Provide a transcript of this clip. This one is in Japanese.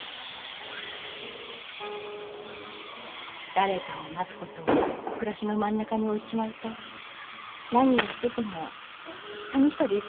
誰かを待つことを暮らしの真ん中に置いちまうと何をしててもさみしさでいっぱいになっちまう。